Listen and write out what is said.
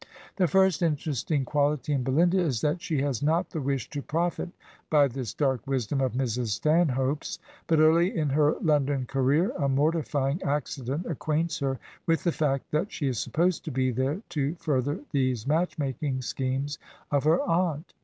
The first interesting quality in Belinda is that she has not the wish to profit by this dark wisdom of Mrs. Stanhope's; but early in her London career a mortifying accident acquaints her with the fact that she is supposed to be there to further these matchmaking schemes of her aunt.